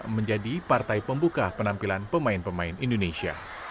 menjadi partai pembuka penampilan pemain pemain indonesia